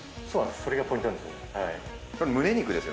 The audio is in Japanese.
それがポイントなんです。